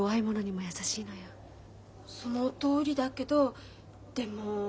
そのとおりだけどでも。